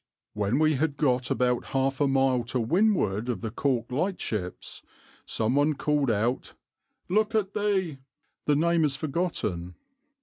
When we had got about half a mile to windward of the Cork lightships, some one called out 'Look at the ' (name forgotten).